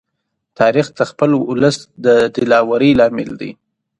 تاریخ د خپل ولس د دلاوري لامل دی.